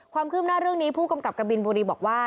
ความคืบหน้าเรื่องนี้ผู้กำกับกะบินบุรีบอกว่า